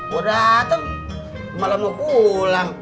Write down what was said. gue dateng malam mau pulang